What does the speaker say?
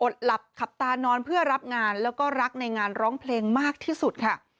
หลับขับตานอนเพื่อรับงานแล้วก็รักในงานร้องเพลงมากที่สุดค่ะ